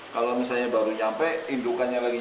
kalau untuk manusia yang berangkat